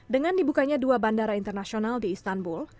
dengan dibukanya dua bandara internasional di istanbul